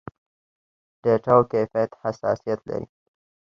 ډېټاوو کيفيت حساسيت لري.